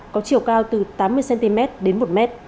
có chiều cao từ tám mươi cm đến một m